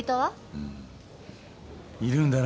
うんいるんだな